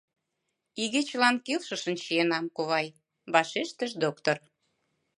— Игечылан келшышын чиенам, ковай, — вашештыш доктор.